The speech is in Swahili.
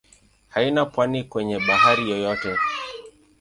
Haina pwani kwenye bahari yoyote.